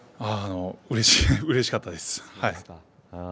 うれしかったです。